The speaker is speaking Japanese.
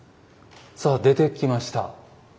さあ出てきました。